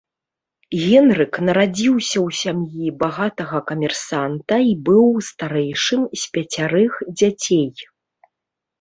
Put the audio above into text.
Генрык нарадзіўся ў сям'і багатага камерсанта і быў старэйшым з пяцярых дзяцей.